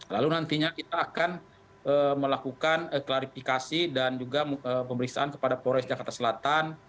lalu nantinya kita akan melakukan klarifikasi dan juga pemeriksaan kepada polres jakarta selatan